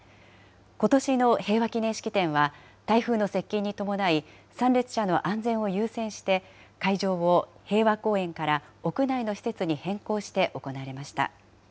ことしの平和祈念式典は、台風の接近に伴い、参列者の安全を優先して、会場を平和公園から屋内の施設に変更して行われました。